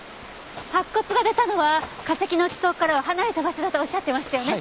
白骨が出たのは化石の地層からは離れた場所だとおっしゃってましたよね？